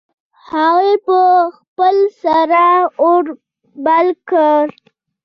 هغې په خپل سر اور بل کړ